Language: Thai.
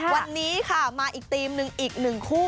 วันนี้ค่ะมาอีกทีมหนึ่งอีกหนึ่งคู่